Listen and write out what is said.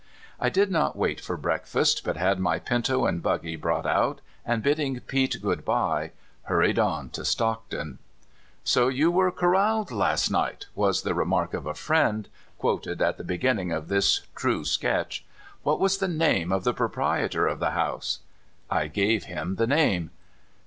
I did not wait for breakfast, but had my pinto and buggy brought out, and, bidding Pete good bye, hurried on to Stockton. " So you were corraled last night? " was the re mark of a friend, quoted at the beginning of this true sketch. " What was the name of the propri etor of the house? " 202 CALIFORNIA SKETCHES. I gave him the name.